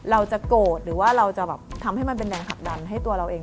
เราจะโกรธหรือว่าเราจะแบบทำให้มันเป็นแรงผลักดันให้ตัวเราเอง